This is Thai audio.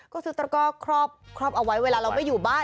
ก็ซื้อตระก้อครอบเอาไว้เวลาเราไม่อยู่บ้าน